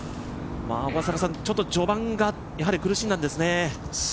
序盤がやはり苦しんだんですね。